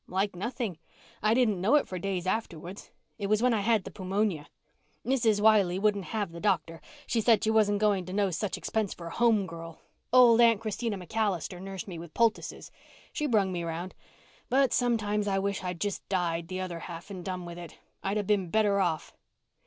"Like nothing. I didn't know it for days afterwards. It was when I had the pewmonia. Mrs. Wiley wouldn't have the doctor—said she wasn't going to no such expense for a home girl. Old Aunt Christina MacAllister nursed me with poultices. She brung me round. But sometimes I wish I'd just died the other half and done with it. I'd been better off."